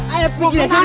ayo pergi dari sini